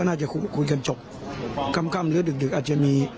อาจจะมี